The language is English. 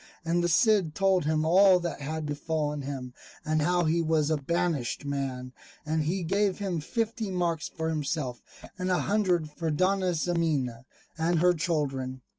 And the Cid told him all that had befallen him, and how he was a banished man; and he gave him fifty marks for himself, and a hundred for Dona Ximena and her children.